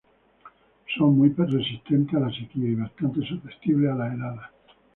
Son muy resistentes a la sequía y bastante susceptibles a las heladas.